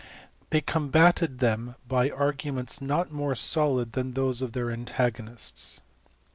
They com bated them by ai^uments not more solid than those of their antagonists.